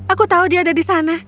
aku tahu dia ada di sana